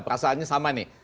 perasaannya sama nih